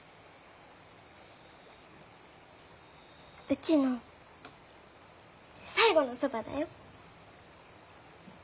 うちの最後のそばだよ。